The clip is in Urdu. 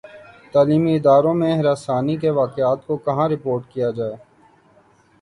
تعلیمی اداروں میں ہراسانی کے واقعات کو کہاں رپورٹ کیا جائے